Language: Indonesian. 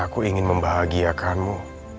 aku ingin membahagiakanmu